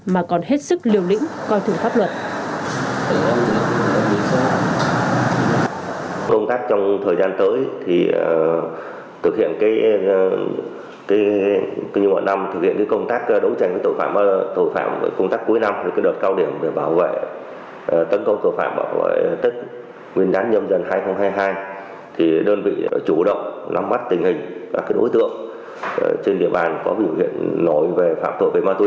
mà còn hết sức liều lĩnh coi thử pháp luật